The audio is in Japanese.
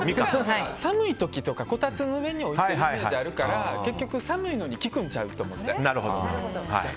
寒い時とか、こたつの上に置いてるイメージあるから結局、寒いのに効くんちゃうと思って。